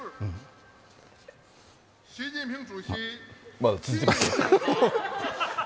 まだ続きますか？